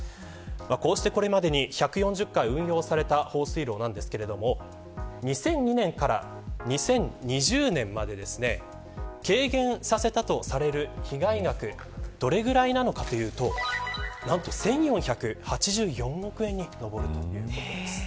こうして、これまでに１４０回運用された放水路ですが２００２年から２０２０年までで軽減させたとされる被害額どれぐらいなのかというと何と１４８４億円に上るということです。